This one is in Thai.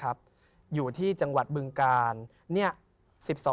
พระพุทธพิบูรณ์ท่านาภิรม